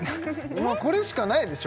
もうこれしかないでしょ